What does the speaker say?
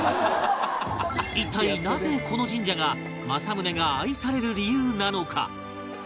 一体なぜこの神社が政宗が愛される理由なのか？